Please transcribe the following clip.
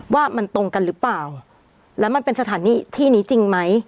ว่ามันตรงกันหรือเปล่าแล้วมันเป็นสถานที่ที่นี้จริงไหม